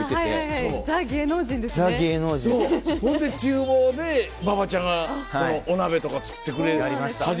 ほんで厨房で馬場ちゃんがお鍋とか作ってくれ始めたんだよね。